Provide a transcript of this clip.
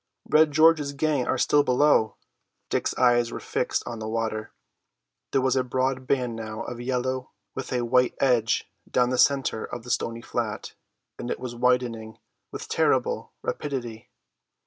"Red George's gang are still below!" Dick's eyes were fixed on the water. There was a broad band now of yellow with a white edge down the centre of the stony flat, and it was widening with terrible rapidity.